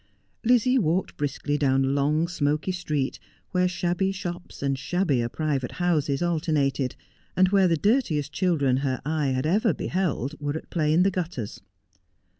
Lizzie walked briskly down a long, smoky street, where shabby shops and shabbier private houses alternated, and where the dirtiest children her eye had ever beheld were at play in the gutters.